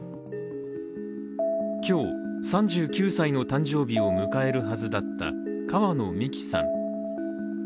今日、３９歳の誕生日を迎えるはずだった川野美樹さん。